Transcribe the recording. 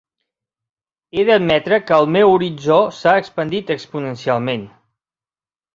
He d'admetre que el meu horitzó s'ha expandit exponencialment.